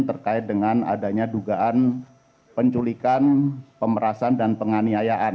terkait dengan adanya dugaan penculikan pemerasan dan penganiayaan